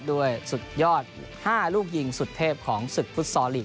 ด้วยสุดยอด๕ลูกยิงสุดเทพของศึกฟุตซอลลีก